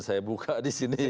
saya buka di sini